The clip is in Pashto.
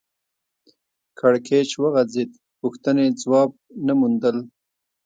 کړکېچ وغځېد پوښتنې ځواب نه موندل